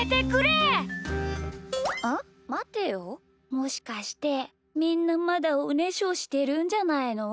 もしかしてみんなまだおねしょしてるんじゃないの？